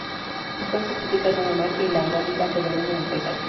Las plantas típicas son la maquia y la garriga, que dominan el paisaje.